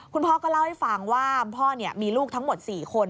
คุณพ่อก็เล่าให้ฟังว่าพ่อมีลูกทั้งหมด๔คน